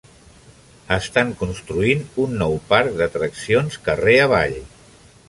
Estan construint un nou parc d'atraccions carrer avall.